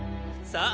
さあ！